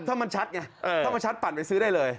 ถ้ามันชัดไงถ้ามันชัดปั่นไปซื้อได้เลย